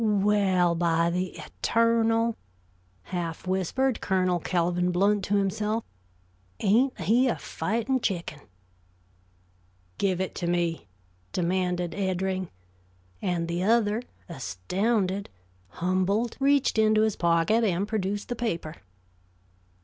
"Well, by the eternal," half whispered Colonel Calvin Blount to himself. "Ain't he a fightin' chicken?" "Give it to me," demanded Eddring; and the other, astounded, humbled, reached into his pocket and produced the paper.